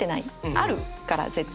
あるから絶対に。